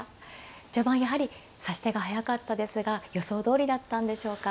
序盤やはり指し手が速かったですが予想どおりだったんでしょうか。